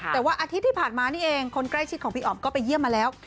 แต่ว่าอาทิตย์ที่ผ่านมานี่เองคนใกล้ชิดของพี่อ๋อมก็ไปเยี่ยมมาแล้ว